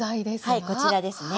はいこちらですね。